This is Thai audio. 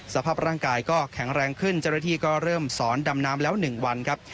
สภาพร่างกายก็แข็งแรงขึ้นเจ้าหน้าที่ก็เริ่มสอนดำน้ำแล้ว๑วันครับ